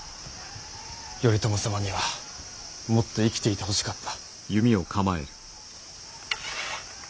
頼朝様にはもっと生きていてほしかった。